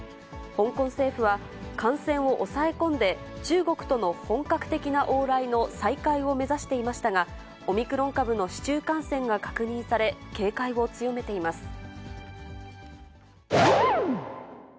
香港政府は、感染を抑え込んで中国との本格的な往来の再開を目指していましたが、オミクロン株の市中感染が確認され、警戒を強めています。